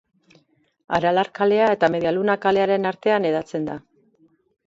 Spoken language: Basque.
Aralar kalea eta Media Luna kalearen artean hedatzen da.